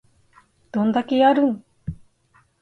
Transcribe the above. どんだけやるん